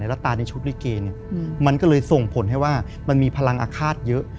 แล้วตาในชุดลิเกมันก็เลยส่งผลให้ว่ามันมีพลังอาฆาตเยอะ